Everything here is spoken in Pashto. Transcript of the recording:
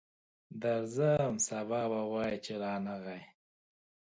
درځم، سبا به وایې چې رانغی.